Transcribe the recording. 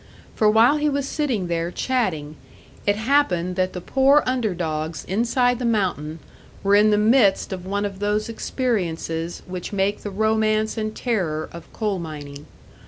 For while he was sitting there chatting, it happened that the poor under dogs inside the mountain were in the midst of one of those experiences which make the romance and terror of coal mining.